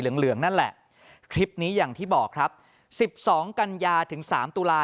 เหลืองนั่นแหละคลิปนี้อย่างที่บอกครับ๑๒กันยาถึงสามตุลาค